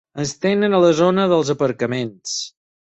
Ens tenen a la zona dels aparcaments.